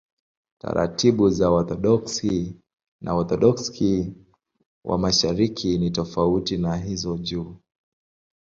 Taratibu za Waorthodoksi na Waorthodoksi wa Mashariki ni tofauti na hizo juu.